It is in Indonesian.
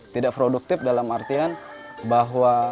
tidak produktif dalam artian bahwa